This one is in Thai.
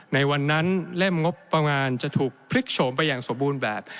ในวันนั้นเล่มงบประมาณจะถูกพลิกโฉมไปอย่างสมบูรณ์แบบ